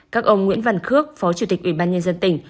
các ông nguyễn văn khước phó chủ tịch ubnd tỉnh